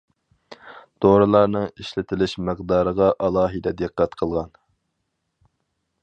دورىلارنىڭ ئىشلىتىش مىقدارىغا ئالاھىدە دىققەت قىلغان.